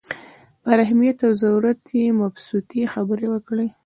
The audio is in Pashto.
پر اهمیت او ضرورت یې مبسوطې خبرې وکړې.